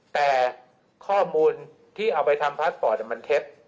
แต่ข้อมูลที่เอาไปทำพาสปอร์ตมันเท็จ